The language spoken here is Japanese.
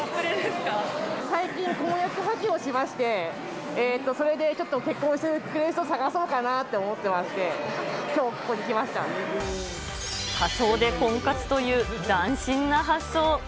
最近、婚約破棄をしまして、それでちょっと結婚してくれる人を探そうかなと思ってまして、仮装で婚活という、斬新な発